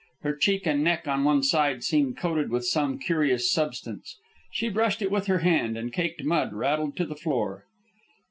Her cheek and neck on one side seemed coated with some curious substance. She brushed it with her hand, and caked mud rattled to the floor.